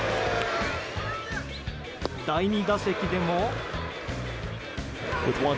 第２打席でも。